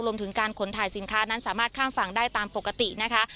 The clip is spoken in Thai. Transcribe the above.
รวมถึงการขนถ่ายสินค้านั้นสามารถข้ามฝั่งได้ตามปกตินะคะ